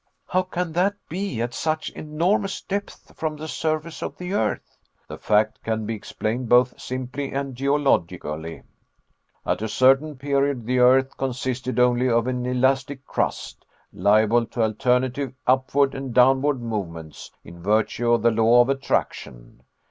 "How can that be at such enormous depth from the surface of the earth?" "The fact can be explained both simply and geologically. At a certain period, the earth consisted only of an elastic crust, liable to alternative upward and downward movements in virtue of the law of attraction.